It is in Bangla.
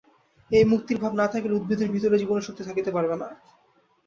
এই মুক্তির ভাব না থাকিলে উদ্ভিদের ভিতরেও জীবনীশক্তি থাকিতে পারে না।